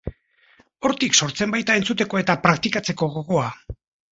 Hortik sortzen baita entzuteko eta praktikatzeko gogoa.